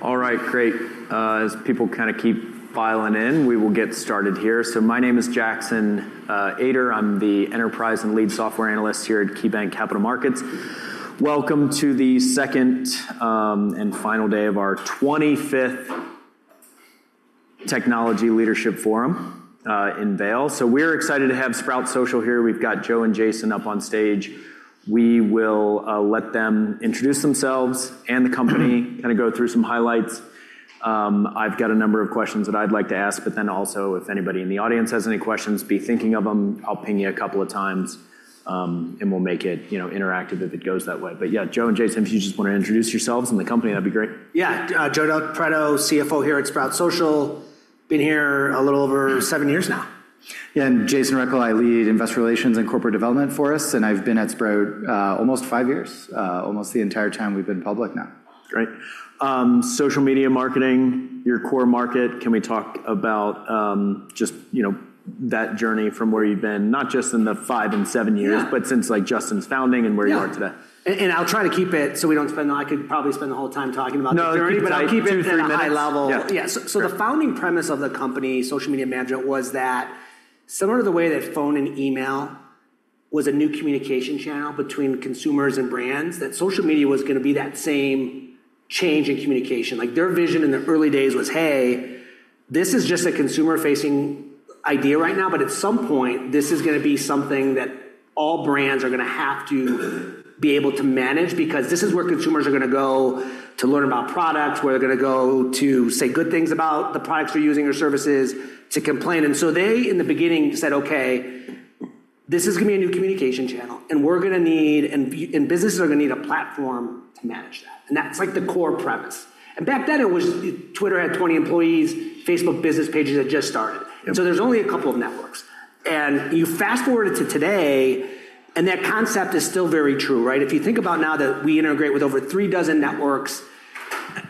All right, great. As people kind of keep filing in, we will get started here. So my name is Jackson Ader. I'm the enterprise and lead software analyst here at KeyBanc Capital Markets. Welcome to the second and final day of our 25th Technology Leadership Forum in Vail. So we're excited to have Sprout Social here. We've got Joe and Jason up on stage. We will let them introduce themselves and the company, kind of go through some highlights. I've got a number of questions that I'd like to ask, but then also, if anybody in the audience has any questions, be thinking of them. I'll ping you a couple of times, and we'll make it, you know, interactive, if it goes that way. But yeah, Joe and Jason, if you just want to introduce yourselves and the company, that'd be great. Yeah. Joe Del Preto, CFO here at Sprout Social. Been here a little over seven years now. Yeah, I'm Jason Rechel. I lead investor relations and corporate development for us, and I've been at Sprout almost five years, almost the entire time we've been public now. Great. Social media marketing, your core market, can we talk about, just, you know, that journey from where you've been, not just in the five and seven years- Yeah... but since, like, Justyn's founding and where you are today? Yeah. And, I'll try to keep it so we don't spend-- I could probably spend the whole time talking about the journey- No. But I'll keep it at a high level. Yeah. Yeah. So, so the founding premise of the company, social media management, was that similar to the way that phone and email was a new communication channel between consumers and brands, that social media was gonna be that same change in communication. Like, their vision in the early days was, "Hey, this is just a consumer-facing idea right now, but at some point, this is gonna be something that all brands are gonna have to be able to manage, because this is where consumers are gonna go to learn about products, where they're gonna go to say good things about the products we're using or services, to complain." And so they, in the beginning, said, "Okay, this is gonna be a new communication channel, and we're gonna need, and businesses are gonna need a platform to manage that." And that's, like, the core premise. Back then, it was, Twitter had 20 employees, Facebook business pages had just started. Yeah. And so there's only a couple of networks. And you fast-forward it to today, and that concept is still very true, right? If you think about now that we integrate with over 36 networks,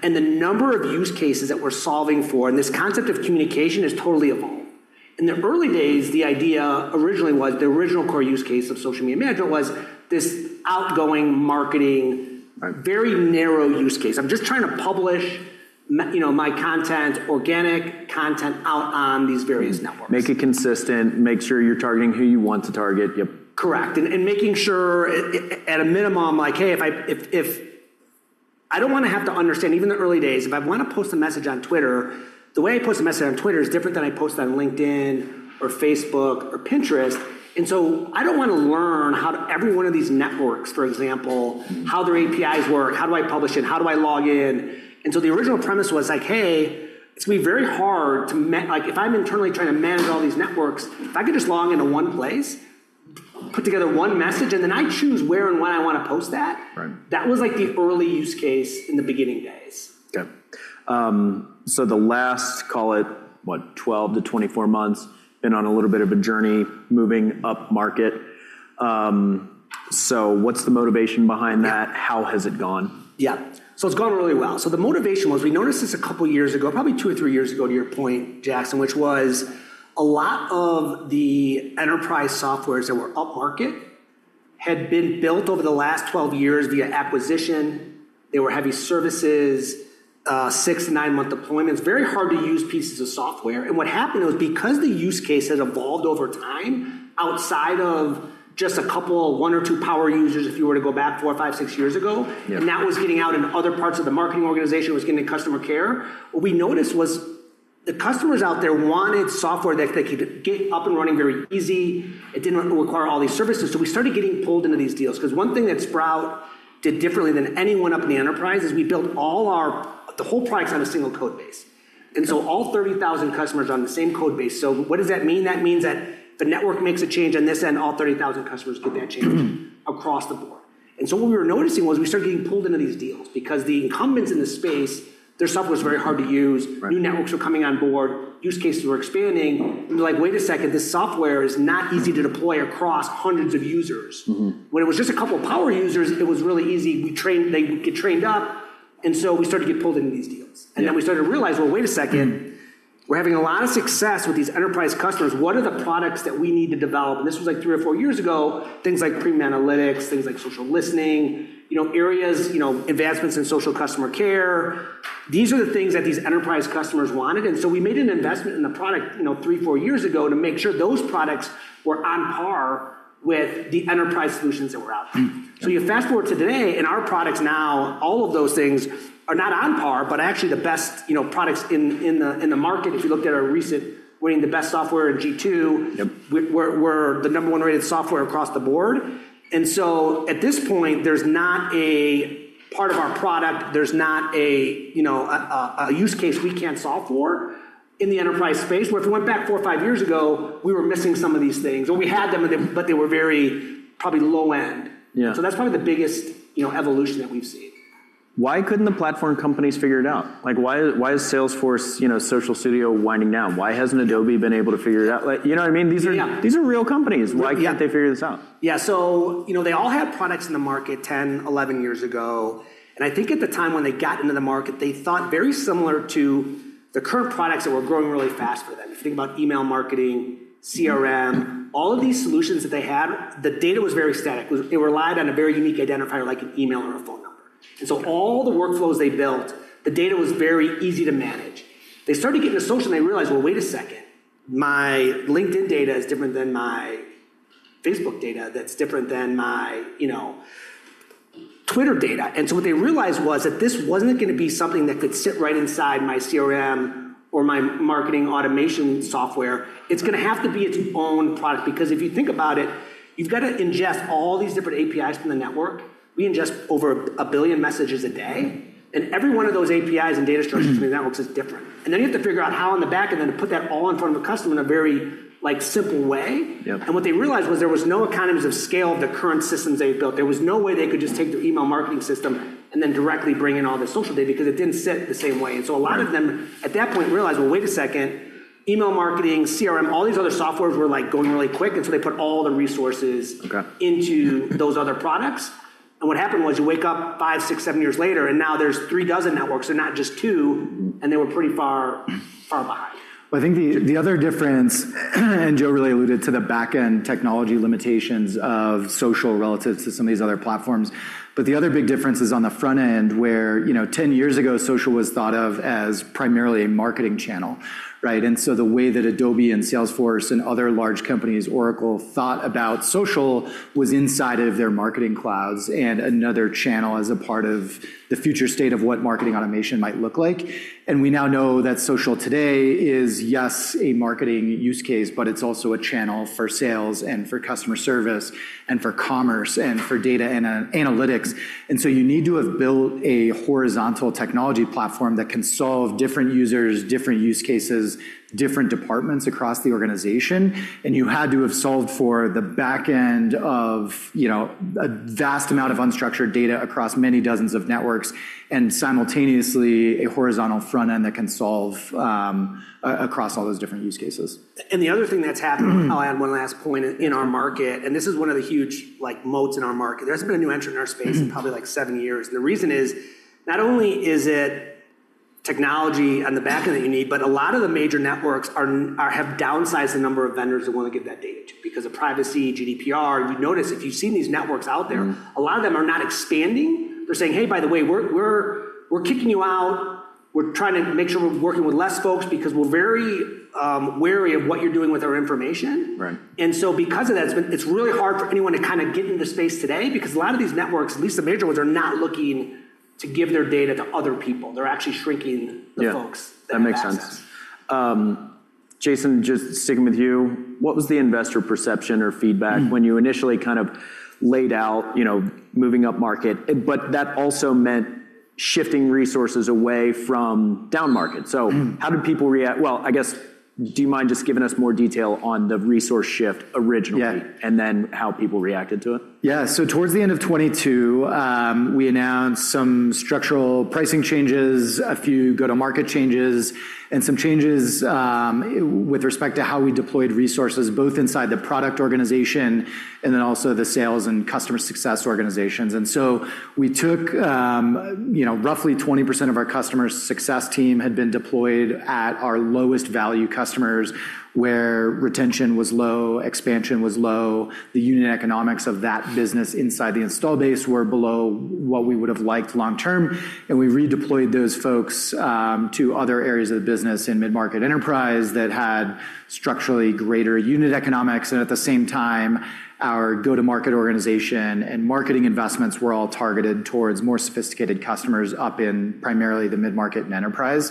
and the number of use cases that we're solving for, and this concept of communication is totally evolved. In the early days, the idea originally was, the original core use case of social media management was this outgoing marketing- Right... very narrow use case. I'm just trying to publish, you know, my content, organic content, out on these various networks. Make it consistent, make sure you're targeting who you want to target. Yep. Correct. And making sure at a minimum, like, hey, if I... I don't wanna have to understand, even the early days, if I wanna post a message on Twitter, the way I post a message on Twitter is different than I post on LinkedIn or Facebook or Pinterest. And so I don't wanna learn how to every one of these networks, for example, how their APIs work, how do I publish it? How do I log in? And so the original premise was like: Hey, it's gonna be very hard to like, if I'm internally trying to manage all these networks, if I could just log into one place, put together one message, and then I choose where and when I wanna post that. Right... that was, like, the early use case in the beginning days. Okay. So the last, call it, what, 12-24 months, been on a little bit of a journey moving upmarket. So what's the motivation behind that? Yeah. How has it gone? Yeah. So it's gone really well. So the motivation was, we noticed this a couple of years ago, probably two or three years ago, to your point, Jackson, which was a lot of the enterprise softwares that were upmarket had been built over the last 12 years via acquisition. They were heavy services, six to nine-month deployments, very hard-to-use pieces of software. And what happened was, because the use case had evolved over time, outside of just a couple, one or two power users, if you were to go back four, five, six years ago- Yeah... and that was getting out into other parts of the marketing organization. It was getting to customer care. What we noticed was that customers out there wanted software that they could get up and running very easy. It didn't require all these services. So we started getting pulled into these deals. 'Cause one thing that Sprout did differently than anyone up in the enterprise is we built all our, the whole product on a single code base. Yeah. And so all 30,000 customers are on the same code base. So what does that mean? That means that the network makes a change on this end, all 30,000 customers get that change- Mm-hmm... across the board. And so what we were noticing was, we started getting pulled into these deals because the incumbents in the space, their software was very hard to use. Right. New networks were coming on board, use cases were expanding. And we're like, "Wait a second, this software is not easy to deploy across hundreds of users. Mm-hmm. When it was just a couple of power users, it was really easy. They would get trained up, and so we started to get pulled into these deals. Yeah. And then we started to realize, well, wait a second- Mm... we're having a lot of success with these enterprise customers. What are the products that we need to develop? And this was, like, three or four years ago, things like Premium Analytics, things like social listening, you know, areas, you know, advancements in social customer care. These are the things that these enterprise customers wanted. And so we made an investment in the product, you know, three, four years ago, to make sure those products were on par with the enterprise solutions that were out there. Mm. So you fast-forward to today, and our products now, all of those things are not on par, but actually the best, you know, products in the market. If you looked at our recent winning the best software in G2- Yep... we're the number one rated software across the board. And so at this point, there's not a part of our product, there's not a, you know, a use case we can't solve for in the enterprise space. Where if you went back four or five years ago, we were missing some of these things, or we had them, but they were very probably low end. Yeah. That's probably the biggest, you know, evolution that we've seen. Why couldn't the platform companies figure it out? Like, why, why is Salesforce, you know, Social Studio winding down? Why hasn't Adobe been able to figure it out? Like, you know what I mean? Yeah. These are real companies. Yeah. Why can't they figure this out? Yeah, so you know, they all had products in the market 10, 11 years ago, and I think at the time when they got into the market, they thought very similar to the current products that were growing really fast for them. If you think about email marketing, CRM, all of these solutions that they had, the data was very static. It relied on a very unique identifier, like an email or a phone number. And so all the workflows they built, the data was very easy to manage. They started getting to social, and they realized, "Well, wait a second, my LinkedIn data is different than my Facebook data, that's different than my, you know, Twitter data." And so what they realized was that this wasn't gonna be something that could sit right inside my CRM or my marketing automation software. It's gonna have to be its own product, because if you think about it, you've got to ingest all these different APIs from the network. We ingest over a billion messages a day, and every one of those APIs and data structures from the networks is different. And then you have to figure out how in the back, and then to put that all in front of a customer in a very, like, simple way. Yeah. What they realized was there was no economies of scale of the current systems they'd built. There was no way they could just take their email marketing system and then directly bring in all their social data, because it didn't sit the same way. Right. And so a lot of them, at that point, realized, "Well, wait a second, email marketing, CRM, all these other softwares were, like, going really quick," and so they put all the resources- Okay... into those other products. What happened was, you wake up five, six, seven years later, and now there's three dozen networks and not just two, and they were pretty far, far behind. Well, I think the other difference, and Joe really alluded to the back-end technology limitations of social relative to some of these other platforms. But the other big difference is on the front end, where, you know, 10 years ago, social was thought of as primarily a marketing channel, right? And so the way that Adobe and Salesforce and other large companies, Oracle, thought about social was inside of their marketing clouds and another channel as a part of the future state of what marketing automation might look like. And we now know that social today is, yes, a marketing use case, but it's also a channel for sales and for customer service and for commerce and for data and analytics. And so you need to have built a horizontal technology platform that can solve different users, different use cases, different departments across the organization, and you had to have solved for the back end of, you know, a vast amount of unstructured data across many dozens of networks, and simultaneously, a horizontal front end that can solve across all those different use cases. And the other thing that's happened, I'll add one last point, in our market, and this is one of the huge, like, moats in our market. There hasn't been a new entrant in our space in probably, like, seven years. The reason is, not only is it technology on the back end that you need, but a lot of the major networks have downsized the number of vendors they want to give that data to because of privacy, GDPR. You'd notice, if you've seen these networks out there- Mm... a lot of them are not expanding. They're saying, "Hey, by the way, we're kicking you out. We're trying to make sure we're working with less folks because we're very wary of what you're doing with our information. Right. And so because of that, it's really hard for anyone to kind of get into the space today because a lot of these networks, at least the major ones, are not looking to give their data to other people. They're actually shrinking- Yeah... the folks that have access. That makes sense. Jason, just sticking with you, what was the investor perception or feedback when you initially kind of laid out, you know, moving up market, but that also meant shifting resources away from downmarket? So how did people react? Well, I guess, do you mind just giving us more detail on the resource shift originally- Yeah. -and then how people reacted to it? Yeah. So towards the end of 2022, we announced some structural pricing changes, a few go-to-market changes, and some changes with respect to how we deployed resources, both inside the product organization and then also the sales and customer success organizations. So we took, you know, roughly 20% of our customer success team had been deployed at our lowest-value customers, where retention was low, expansion was low, the unit economics of that business inside the install base were below what we would have liked long term, and we redeployed those folks to other areas of the business in mid-market enterprise that had structurally greater unit economics. At the same time, our go-to-market organization and marketing investments were all targeted towards more sophisticated customers up in primarily the mid-market and enterprise.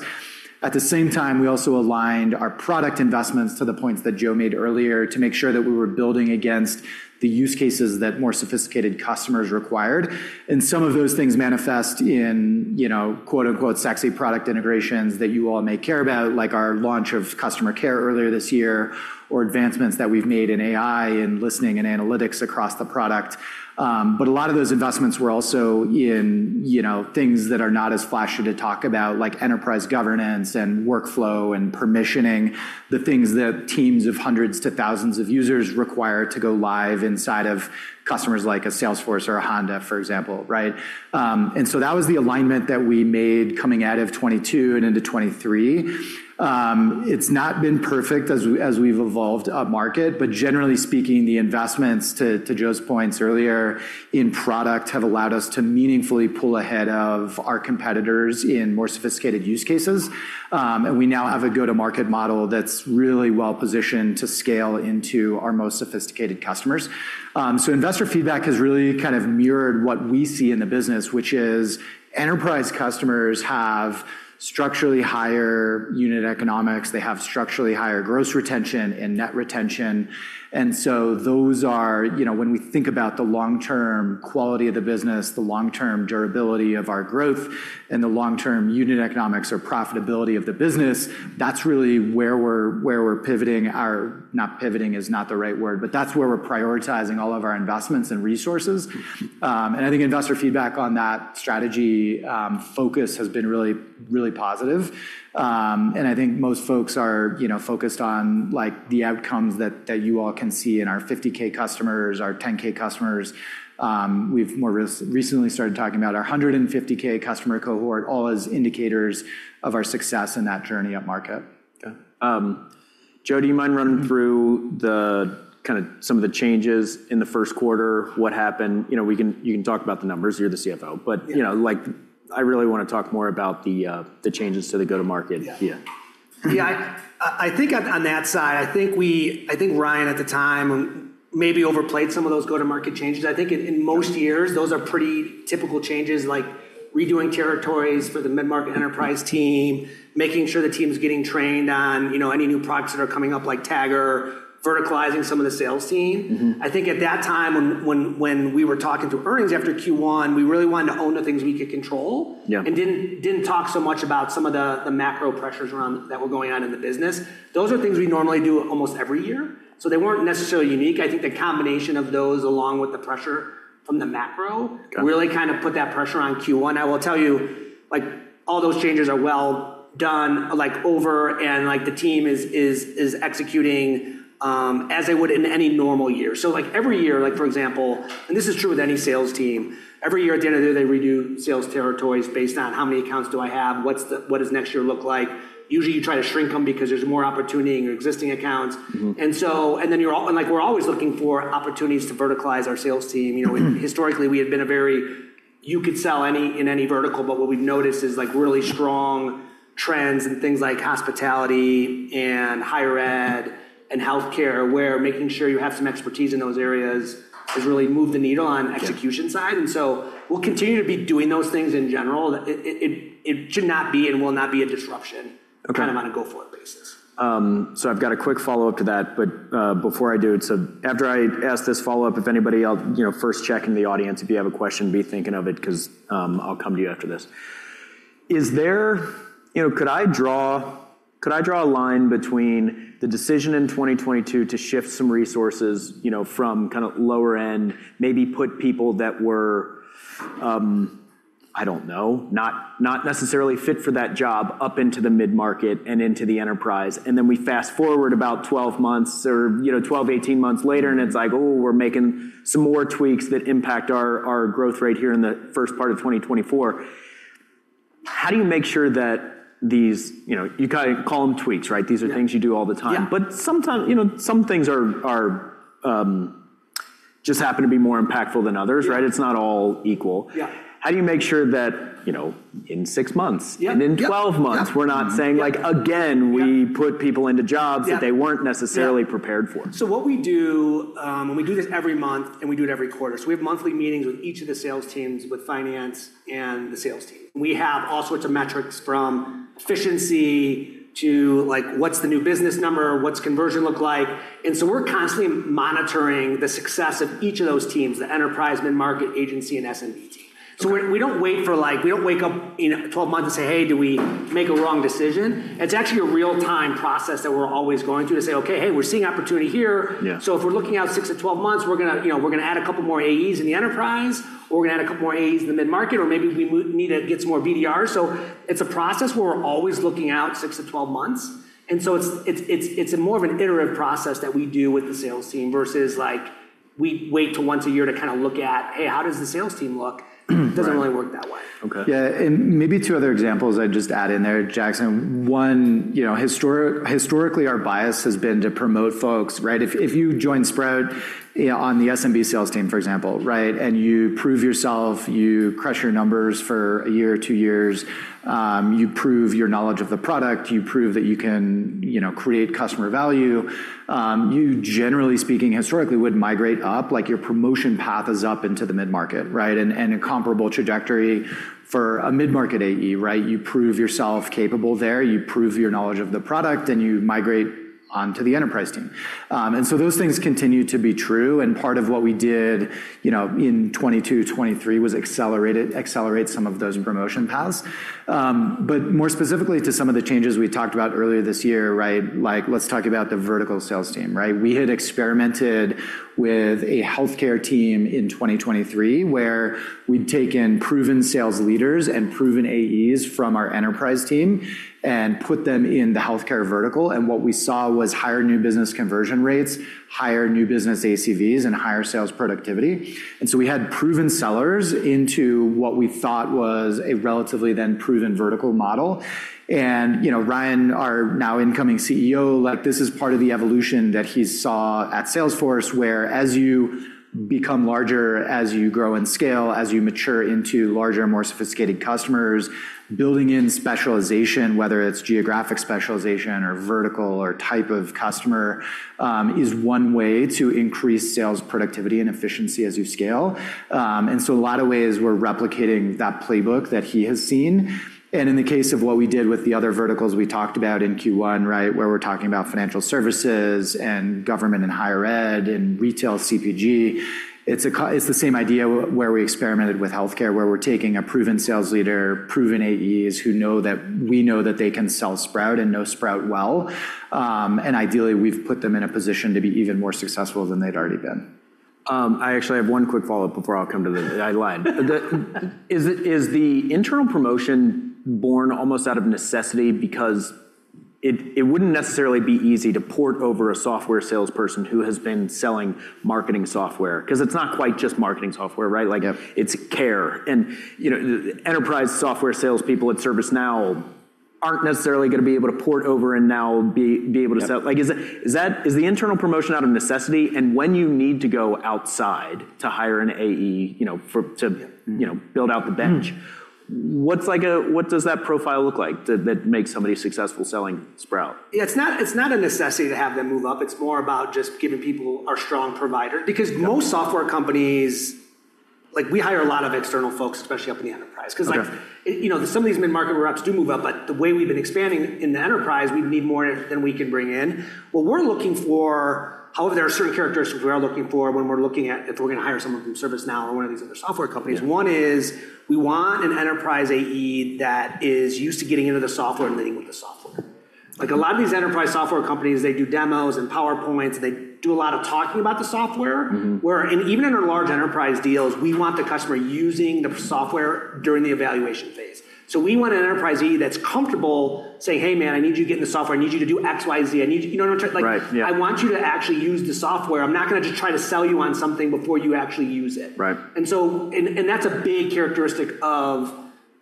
At the same time, we also aligned our product investments to the points that Joe made earlier to make sure that we were building against the use cases that more sophisticated customers required. And some of those things manifest in, you know, quote, unquote, "sexy product integrations" that you all may care about, like our launch of customer care earlier this year, or advancements that we've made in AI and listening and analytics across the product. But a lot of those investments were also in, you know, things that are not as flashy to talk about, like enterprise governance and workflow and permissioning, the things that teams of hundreds to thousands of users require to go live inside of customers, like a Salesforce or a Honda, for example, right? And so that was the alignment that we made coming out of 2022 and into 2023. It's not been perfect as we, as we've evolved upmarket, but generally speaking, the investments, to Joe's points earlier, in product have allowed us to meaningfully pull ahead of our competitors in more sophisticated use cases. And we now have a go-to-market model that's really well-positioned to scale into our most sophisticated customers. So investor feedback has really kind of mirrored what we see in the business, which is enterprise customers have structurally higher unit economics. They have structurally higher gross retention and net retention, and so those are... You know, when we think about the long-term quality of the business, the long-term durability of our growth, and the long-term unit economics or profitability of the business, that's really where we're pivoting. Not pivoting is not the right word, but that's where we're prioritizing all of our investments and resources. And I think investor feedback on that strategy, focus has been really, really positive. And I think most folks are, you know, focused on, like, the outcomes that you all can see in our 50K customers, our 10K customers. We've more recently started talking about our 150K customer cohort, all as indicators of our success in that journey upmarket. Okay. Joe, do you mind running through the, kind of some of the changes in the first quarter? What happened? You know, you can talk about the numbers. You're the CFO. Yeah. You know, like, I really want to talk more about the changes to the go-to-market. Yeah. Yeah.... Yeah, I think on that side, I think Ryan, at the time, maybe overplayed some of those go-to-market changes. I think in most years, those are pretty typical changes, like redoing territories for the mid-market enterprise team, making sure the team's getting trained on, you know, any new products that are coming up, like Tagger, verticalizing some of the sales team. Mm-hmm. I think at that time, when we were talking through earnings after Q1, we really wanted to own the things we could control. Yeah... and didn't talk so much about some of the macro pressures around that were going on in the business. Those are things we normally do almost every year, so they weren't necessarily unique. I think the combination of those, along with the pressure from the macro- Got it... really kind of put that pressure on Q1. I will tell you, like, all those changes are well done, like, over, and, like, the team is executing as they would in any normal year. So like every year, like, for example, and this is true with any sales team, every year at the end of the year, they redo sales territories based on how many accounts do I have? What does next year look like? Usually, you try to shrink them because there's more opportunity in your existing accounts. Mm-hmm. Like, we're always looking for opportunities to verticalize our sales team. Mm-hmm. You know, historically, we had been a very, you could sell any, in any vertical, but what we've noticed is, like, really strong trends in things like hospitality and higher ed and healthcare, where making sure you have some expertise in those areas has really moved the needle on- Yeah... execution side, and so we'll continue to be doing those things in general. It should not be and will not be a disruption- Okay... kind of on a go-forward basis. So I've got a quick follow-up to that, but, before I do, so after I ask this follow-up, if anybody else you know, first check in the audience, if you have a question, be thinking of it 'cause, I'll come to you after this. Is there... You know, could I draw, could I draw a line between the decision in 2022 to shift some resources, you know, from kind of lower end, maybe put people that were, I don't know, not, not necessarily fit for that job up into the mid-market and into the enterprise? And then we fast-forward about 12 months or, you know, 12-18 months later, and it's like, "Oh, we're making some more tweaks that impact our, our growth rate here in the first part of 2024." How do you make sure that these... You know, you kind of call them tweaks, right? Yeah. These are things you do all the time. Yeah. But sometimes, you know, some things are just happen to be more impactful than others- Yeah... right? It's not all equal. Yeah. How do you make sure that, you know, in six months? Yeah... and in 12 months- Yeah, mm-hmm... we're not saying, like, again- Yeah... we put people into jobs- Yeah... that they weren't necessarily- Yeah... prepared for? So what we do, and we do this every month, and we do it every quarter. So we have monthly meetings with each of the sales teams, with finance and the sales team. We have all sorts of metrics, from efficiency to, like, what's the new business number? What's conversion look like? And so we're constantly monitoring the success of each of those teams, the enterprise, mid-market, agency, and SMB team. Right. So we don't wait for, like, we don't wake up in 12 months and say, "Hey, did we make a wrong decision?" It's actually a real-time process that we're always going through to say, "Okay, hey, we're seeing opportunity here. Yeah. So if we're looking out six to 12 months, we're gonna, you know, we're gonna add a couple more AEs in the enterprise, or we're gonna add a couple more AEs in the mid-market, or maybe we need to get some more BDRs." So it's a process where we're always looking out six to 12 months, and so it's a more of an iterative process that we do with the sales team versus, like, we wait till once a year to kind of look at, "Hey, how does the sales team look? Mm, right. It doesn't really work that way. Okay. Yeah, and maybe two other examples I'd just add in there, Jackson. One, you know, historically, our bias has been to promote folks, right? If you join Sprout, you know, on the SMB sales team, for example, right, and you prove yourself, you crush your numbers for a year or two years, you prove your knowledge of the product, you prove that you can, you know, create customer value, you generally speaking, historically, would migrate up. Like, your promotion path is up into the mid-market, right? And a comparable trajectory for a mid-market AE, right? You prove yourself capable there, you prove your knowledge of the product, and you migrate onto the enterprise team. And so those things continue to be true, and part of what we did, you know, in 2022, 2023, was accelerate some of those promotion paths. But more specifically to some of the changes we talked about earlier this year, right, like, let's talk about the vertical sales team, right? We had experimented with a healthcare team in 2023, where we'd taken proven sales leaders and proven AEs from our enterprise team and put them in the healthcare vertical, and what we saw was higher new business conversion rates, higher new business ACVs, and higher sales productivity. So we had proven sellers into what we thought was a relatively then proven vertical model. You know, Ryan, our now incoming CEO, like, this is part of the evolution that he saw at Salesforce, where as you become larger, as you grow and scale, as you mature into larger, more sophisticated customers, building in specialization, whether it's geographic specialization or vertical or type of customer, is one way to increase sales productivity and efficiency as you scale. And so a lot of ways we're replicating that playbook that he has seen, and in the case of what we did with the other verticals we talked about in Q1, right, where we're talking about financial services and government and higher ed and retail CPG, it's the same idea where we experimented with healthcare, where we're taking a proven sales leader, proven AEs, who know that we know that they can sell Sprout and know Sprout well. Ideally, we've put them in a position to be even more successful than they'd already been. I actually have one quick follow-up before I'll come to the... I lied. But is it, is the internal promotion born almost out of necessity? Because it, it wouldn't necessarily be easy to port over a software salesperson who has been selling marketing software 'cause it's not quite just marketing software, right? Yeah. Like, it's care, and you know, enterprise software salespeople at ServiceNow aren't necessarily gonna be able to port over and now be able to sell- Yep. Like, is the internal promotion out of necessity, and when you need to go outside to hire an AE, you know, for, to- Yeah... you know, what's like a, what does that profile look like that, that makes somebody successful selling Sprout? Yeah, it's not, it's not a necessity to have them move up. It's more about just giving people our strong provider. Because most software companies, like, we hire a lot of external folks, especially up in the enterprise. Okay. 'Cause, like, you know, some of these mid-market reps do move up, but the way we've been expanding in the enterprise, we need more than we can bring in. What we're looking for, however, there are certain characteristics we are looking for when we're looking at if we're gonna hire someone from ServiceNow or one of these other software companies. Yeah. One is, we want an enterprise AE that is used to getting into the software and leading with the software. Mm-hmm. Like, a lot of these enterprise software companies, they do demos and PowerPoints, they do a lot of talking about the software. Mm-hmm. We're, and even in our large enterprise deals, we want the customer using the software during the evaluation phase. So we want an enterprise AE that's comfortable saying, "Hey, man, I need you to get in the software. I need you to do X, Y, and Z. I need you..." You know what I'm trying- Right, yeah. I want you to actually use the software. I'm not gonna just try to sell you on something before you actually use it. Right. And so that's a big characteristic of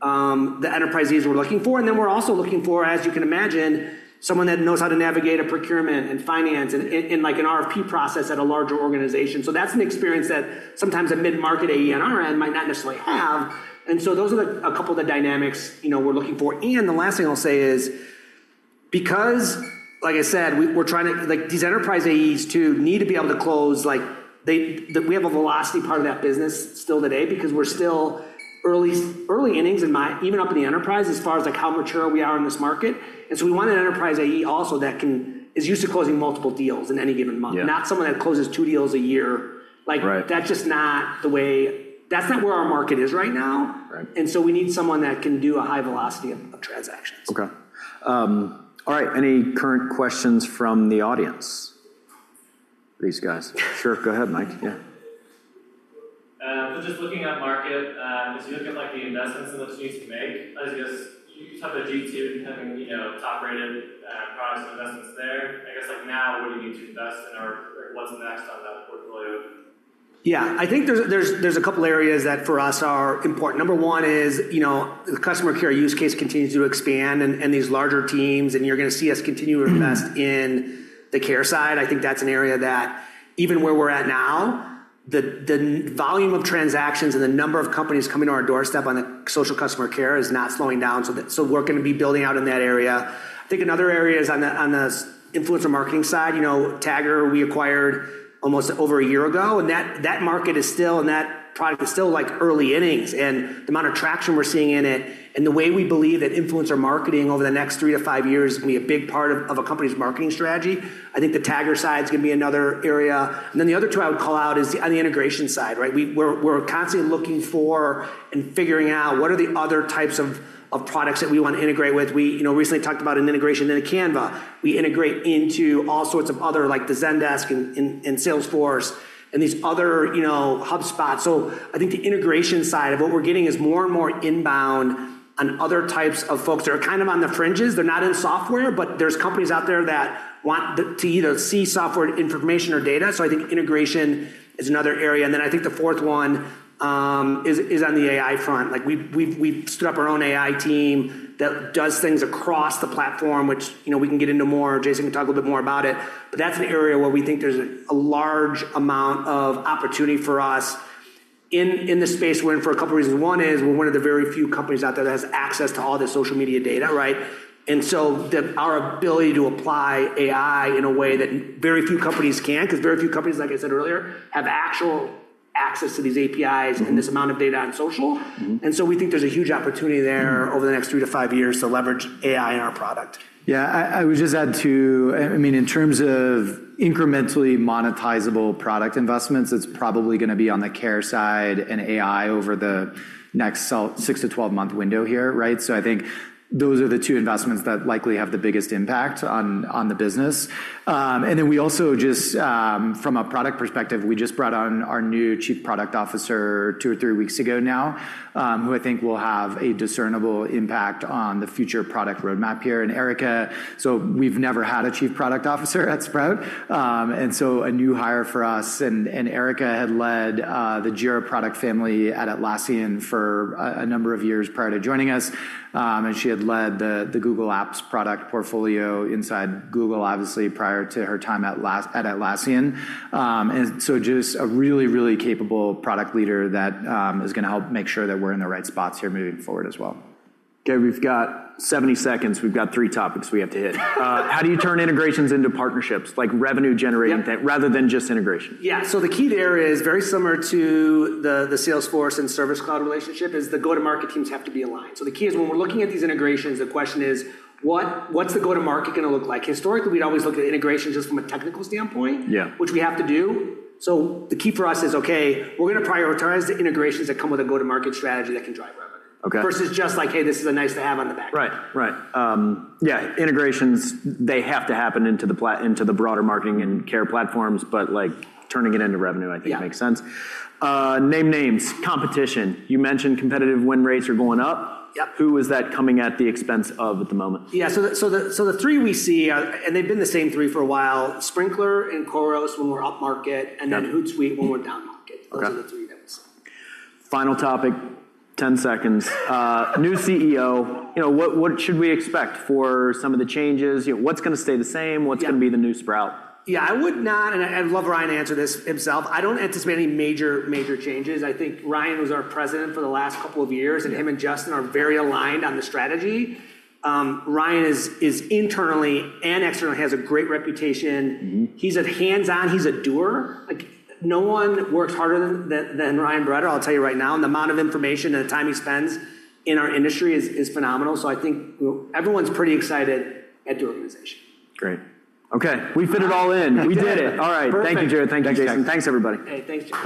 the enterprise AEs we're looking for. And then we're also looking for, as you can imagine, someone that knows how to navigate a procurement, and finance, and like an RFP process at a larger organization. So that's an experience that sometimes a mid-market AE on our end might not necessarily have. And so those are a couple of the dynamics, you know, we're looking for. And the last thing I'll say is, because, like I said, we're trying to like these enterprise AEs, too, need to be able to close, like we have a velocity part of that business still today because we're still early, early innings in my even up in the enterprise, as far as like how mature we are in this market. And so we want an enterprise AE also that is used to closing multiple deals in any given month. Yeah. Not someone that closes 2 deals a year. Right. Like, that's just not the way, that's not where our market is right now. Right. And so we need someone that can do a high velocity of transactions. Okay. All right, any current questions from the audience? These guys. Sure, go ahead, Mike. Yeah. So just looking at market, as you look at, like, the investments in which you need to make, I guess, you talked about G2 having, you know, top-rated products and investments there. I guess, like, now, what do you need to invest in, or what's next on that portfolio? Yeah, I think there's a couple areas that, for us, are important. Number one is, you know, the customer care use case continues to expand, and these larger teams, and you're gonna see us continue to invest- Mm-hmm... in the care side. I think that's an area that, even where we're at now, the volume of transactions and the number of companies coming to our doorstep on a social customer care is not slowing down, so that, so we're gonna be building out in that area. I think another area is on the influencer marketing side. You know, Tagger, we acquired almost over a year ago, and that market is still, and that product is still, like, early innings. And the amount of traction we're seeing in it, and the way we believe that influencer marketing over the next three to five years is gonna be a big part of a company's marketing strategy, I think the Tagger side is gonna be another area. And then the other two I would call out is on the integration side, right? We're constantly looking for and figuring out what are the other types of products that we want to integrate with. We, you know, recently talked about an integration into Canva. We integrate into all sorts of other, like the Zendesk, and Salesforce, and these other, you know, HubSpots. So I think the integration side of what we're getting is more and more inbound, and other types of folks that are kind of on the fringes. They're not in software, but there's companies out there that want to either see software information or data, so I think integration is another area. And then I think the fourth one is on the AI front. Like, we've stood up our own AI team that does things across the platform, which, you know, we can get into more, Jason can talk a little bit more about it. But that's an area where we think there's a large amount of opportunity for us in the space we're in, for a couple reasons. One is, we're one of the very few companies out there that has access to all this social media data, right? And so our ability to apply AI in a way that very few companies can, 'cause very few companies, like I said earlier, have actual access to these APIs- Mm-hmm... and this amount of data on social. Mm-hmm. We think there's a huge opportunity there over the next three to five years to leverage AI in our product. Yeah, I would just add, too, I mean, in terms of incrementally monetizable product investments, it's probably gonna be on the care side and AI over the next six to 12-month window here, right? So I think those are the two investments that likely have the biggest impact on the business. And then we also just, from a product perspective, we just brought on our new Chief Product Officer two or three weeks ago now, who I think will have a discernible impact on the future product roadmap here. And Erica. So we've never had a Chief Product Officer at Sprout, and so a new hire for us. And Erica had led the Jira product family at Atlassian for a number of years prior to joining us, and she had led the Google Apps product portfolio inside Google, obviously, prior to her time at Atlassian. And so just a really, really capable product leader that is gonna help make sure that we're in the right spots here moving forward as well. Okay, we've got 70 seconds. We've got three topics we have to hit. How do you turn integrations into partnerships, like revenue-generating- Yep... rather than just integration? Yeah. So the key there is very similar to the Salesforce and Service Cloud relationship, the go-to-market teams have to be aligned. So the key is when we're looking at these integrations, the question is, what's the go-to-market gonna look like? Historically, we'd always look at integrations just from a technical standpoint- Yeah... which we have to do. So the key for us is, okay, we're gonna prioritize the integrations that come with a go-to-market strategy that can drive revenue. Okay. Versus just like, "Hey, this is a nice to have on the back. Right. Right. Yeah, integrations, they have to happen into the broader marketing and care platforms, but, like, turning it into revenue, I think- Yeah... makes sense. Name names, competition. You mentioned competitive win rates are going up. Yep. Who is that coming at the expense of at the moment? Yeah, so the three we see are, and they've been the same three for a while, Sprinklr and Khoros when we're upmarket- Yeah... and then Hootsuite when we're downmarket. Okay. Those are the three guys. Final topic, 10 seconds. New CEO, you know, what should we expect for some of the changes? You know, what's gonna stay the same? Yeah. What's gonna be the new Sprout? Yeah, I would not, and I'd love Ryan to answer this himself. I don't anticipate any major, major changes. I think Ryan was our president for the last couple of years- Yeah... and him and Justyn are very aligned on the strategy. Ryan is internally and externally has a great reputation. Mm-hmm. He's a hands-on, he's a doer. Like, no one works harder than Ryan Barretto, I'll tell you right now, and the amount of information and the time he spends in our industry is phenomenal. So I think everyone's pretty excited at the organization. Great. Okay, we fit it all in. We did it. All right. Perfect. Thank you, Jared. Thank you, Jason. Thanks, guys. Thanks, everybody. Hey, thanks, Jared.